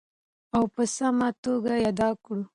او په سمه توګه یې ادا کړو.